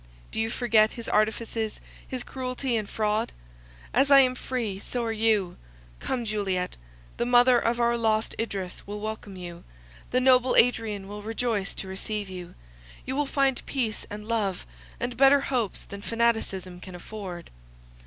Do you forget his artifices, his cruelty, and fraud? As I am free, so are you. Come, Juliet, the mother of our lost Idris will welcome you, the noble Adrian will rejoice to receive you; you will find peace and love, and better hopes than fanaticism can afford.